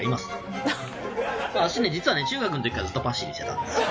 私ね実はね中学の時からずっとパシリしてたんです。